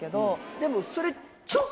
でもそれ。